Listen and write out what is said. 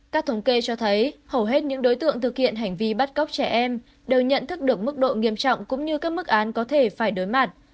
các thống kê cho thấy hầu hết những đối tượng thực hiện hành vi bắt cóc trẻ em đều nhận thức được mức độ nghiêm trọng cũng như các mức án có thể phải đối mặt